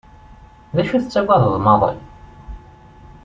D acu tettagadeḍ maḍi?